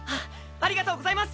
ありがとうございます！